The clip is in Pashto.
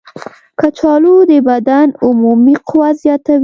کچالو د بدن عمومي قوت زیاتوي.